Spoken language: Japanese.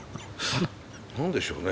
何でしょうね。